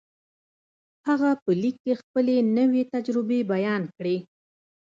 هغه په ليک کې خپلې نوې تجربې بيان کړې.